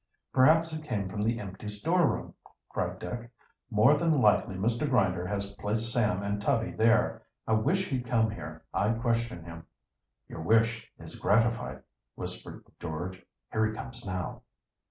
"Perhaps it came from the empty storeroom," cried Dick. "More than likely Mr. Grinder has placed Sam and Tubby there. I wish he'd come here. I'd question him." "Your wish is gratified," whispered George. "Here he comes now!"